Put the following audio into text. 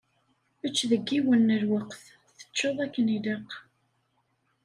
Ečč deg yiwen n lweqt, teččeḍ akken ilaq.